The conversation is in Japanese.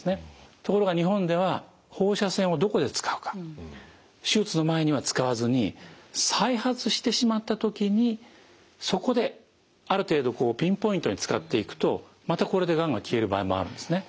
ところが日本では放射線をどこで使うか手術の前には使わずに再発してしまった時にそこである程度ピンポイントに使っていくとまたこれでがんが消える場合もあるんですね。